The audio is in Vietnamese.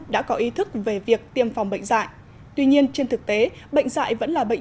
đã có ý thức về việc tiêm phòng bệnh dạy tuy nhiên trên thực tế bệnh dạy vẫn là bệnh